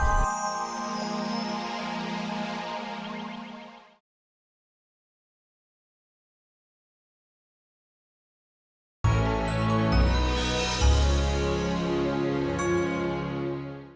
ya takut sama api